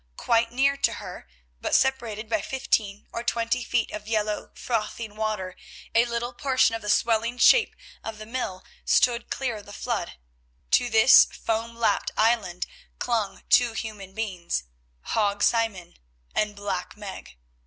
Quite near to her, but separated by fifteen or twenty feet of yellow frothing water, a little portion of the swelling shape of the mill stood clear of the flood. To this foam lapped island clung two human beings—Hague Simon and Black Meg.